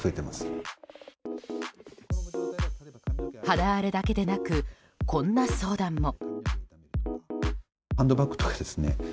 肌荒れだけでなくこんな相談も。